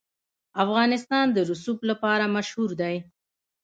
افغانستان د رسوب لپاره مشهور دی.